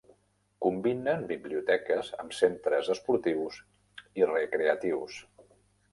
Combinen biblioteques amb centres esportius i recreatius.